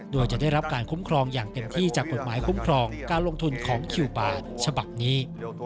โดยจะได้รับการคุ้มครองอย่างเต็มที่จากกฎหมายคุ้มครองการลงทุนของคิวบาร์ฉบับนี้